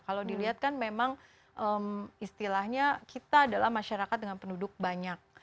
kalau dilihat kan memang istilahnya kita adalah masyarakat dengan penduduk banyak